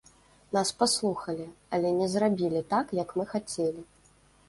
Нас паслухалі, але не зрабілі так, як мы хацелі.